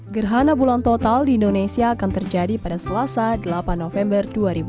gerhana bulan total di indonesia akan terjadi pada selasa delapan november dua ribu dua puluh